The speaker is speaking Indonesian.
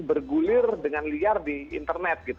bergulir dengan liar di internet gitu